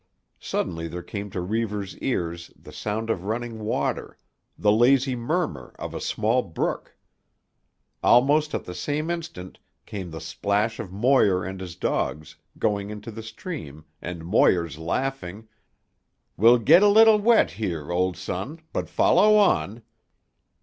Suddenly there came to Reivers' ears the sound of running water, the lazy murmur of a small brook. Almost at the same instant came the splash of Moir and his dogs going into the stream and Moir's laughing: "Wilt get a little wet here, old son. But follow on."